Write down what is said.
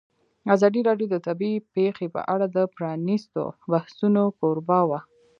ازادي راډیو د طبیعي پېښې په اړه د پرانیستو بحثونو کوربه وه.